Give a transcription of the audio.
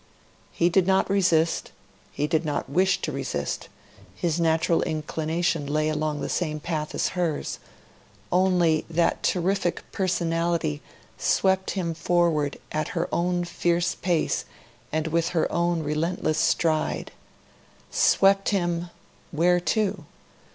He did not resist he did not wish to resist; his natural inclination lay along the same path as hers; only that terrific personality swept him forward at her own fierce pace and with her own relentless stride. Swept him where to?